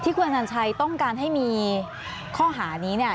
คุณอนัญชัยต้องการให้มีข้อหานี้เนี่ย